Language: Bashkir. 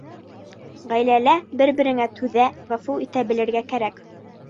Ғаиләлә бер-береңә түҙә, ғәфү итә белергә кәрәк.